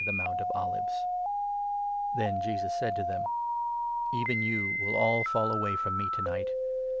the Mount of Olives. Then Jesus said to them : "Even you will all fall away from me to night.